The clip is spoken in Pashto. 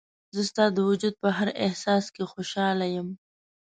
زه ستا د وجود په هر احساس کې خوشحاله یم.